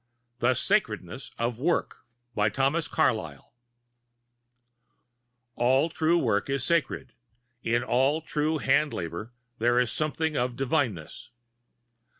THE SACREDNESS OF WORK Thomas Carlyle All true work is sacred; in all true hand labor, there is something of divineness.